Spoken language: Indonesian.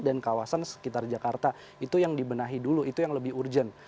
dan kawasan sekitar jakarta itu yang dibenahi dulu itu yang lebih urgent